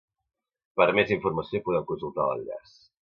Per a més informació podeu consultar l'enllaç.